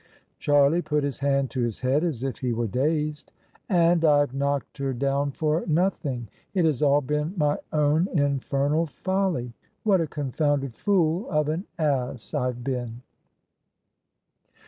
Charlie put his hand to his head as if he were dazed. " And IVe knocked her down for nothing. It has all been my own infernal folly. What a confounded fool of an ass IVe been!"